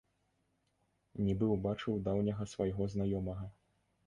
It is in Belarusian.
Нібы ўбачыў даўняга свайго знаёмага.